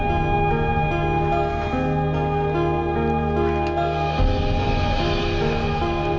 aku akan ikut bapak